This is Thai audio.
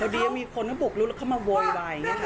เดี๋ยวมีคนขนบุกรุชเขามาโวยวาย